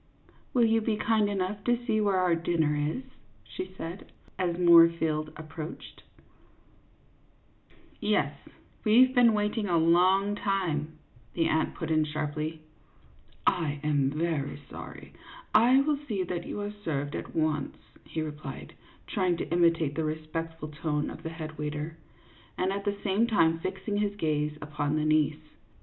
" Will you be kind enough to see where our din ner is ?" she said, as Moorfield approached. 42 CLYDE MOORFIELD, YACHTSMAN. " Yes, we 've been waiting a long time," the aunt put in, sharply. " I am very sorry ; I will see that you are served at once," he replied, trying to imitate the respectful tone of the head waiter, and at the same time fixing his gaze upon the niece.